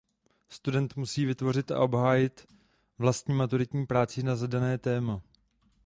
Student musí vytvořit a obhájit vlastní maturitní práci na zadané téma.